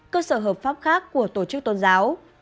cơ sở hợp pháp khác của tổ chức tôn giáo